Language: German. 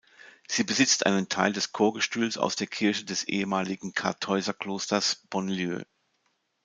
Sie besitzt einen Teil des Chorgestühls aus der Kirche des ehemaligen Kartäuserklosters Bonlieu.